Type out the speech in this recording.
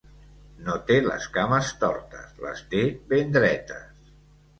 No té les cames tortes: les té ben dretes!